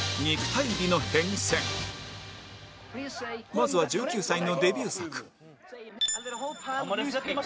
まずは１９歳のデビュー作